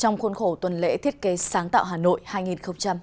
trong khuôn khổ tuần lễ thiết kế sáng tạo hà nội hai nghìn hai mươi